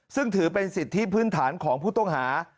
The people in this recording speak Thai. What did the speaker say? ซึ่งถือเป็นสิทธิพื้นฐานของผู้ต้องหา